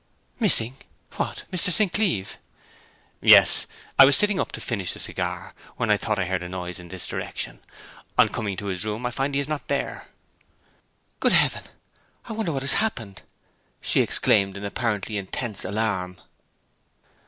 'Missing? What, Mr. St. Cleeve?' 'Yes. I was sitting up to finish a cigar, when I thought I heard a noise in this direction. On coming to his room I find he is not there.' 'Good Heaven! I wonder what has happened!' she exclaimed, in apparently intense alarm.